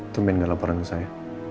tungguin gak laparan ke saya